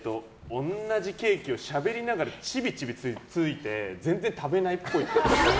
同じケーキをしゃべりながらちびちびつついて全然食べないっぽい。